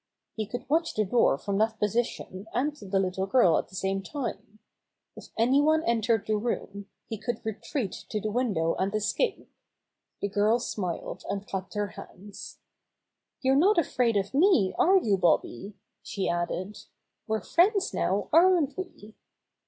He could watch the door from that position and the little girl at the same time. If any one entered the room, he could retreat to the window and escape. The girl smiled and clapped her hands. "You're not afraid of me, are you, Bobby?*' she added. "We're friends now, aren't we?"